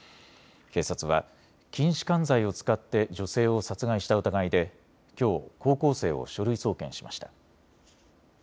警察は筋しかん剤を使って女性を殺害した疑いできょう高校生を書類送検しました。